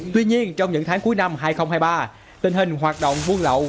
tuy nhiên trong những tháng cuối năm hai nghìn hai mươi ba tình hình hoạt động buôn lậu